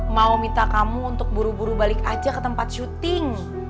mau minta kamu untuk buru buru balik aja ke tempat syuting